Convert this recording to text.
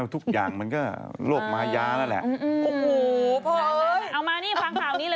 พูดกับใคร